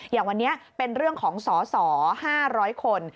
อย่างวันนี้เป็นเรื่องของสส๕๐๐คน